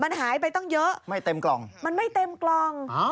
มันหายไปตั้งเยอะไม่เต็มกล่องมันไม่เต็มกล่อง